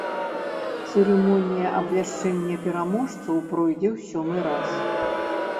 Цырымонія абвяшчэння пераможцаў пройдзе ў сёмы раз.